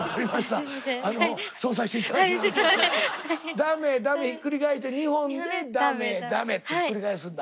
ダメダメひっくり返して２本でダメダメって繰り返すんだ。